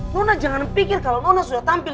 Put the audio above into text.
luna jangan pikir kalau luna sudah tampil